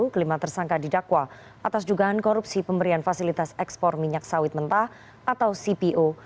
kelima tersangka didakwa atas dugaan korupsi pemberian fasilitas ekspor minyak sawit mentah atau cpo